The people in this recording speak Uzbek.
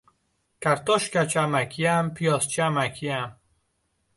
Kartoshkachi amakiyam, piyozchi amakiyam.